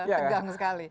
ya tegang sekali